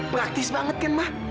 praktis banget kan ma